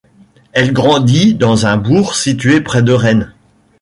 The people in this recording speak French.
Elle grandit dans un bourg situé près de Rennes.